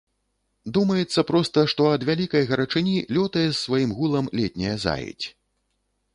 Думаецца проста, што ад вялікай гарачыні лётае з сваім гулам летняя заедзь.